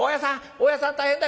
大家さん大変だよ。